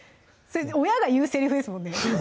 親が言うセリフですもんね